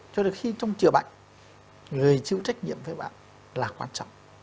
cho đến khi trong trường bệnh người chịu trách nhiệm với bạn là quan trọng